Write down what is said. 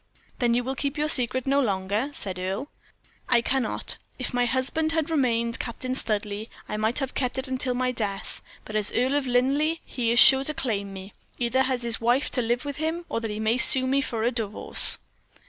"Then you will keep your secret no longer?" said Earle. "I cannot. If my husband had remained Captain Studleigh, I might have kept it until my death; but, as Earl of Linleigh, he is sure to claim me, either as his wife to live with him, or that he may sue me for a divorce."